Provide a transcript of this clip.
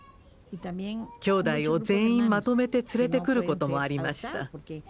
きょうだいを全員まとめて連れて来ることもありました。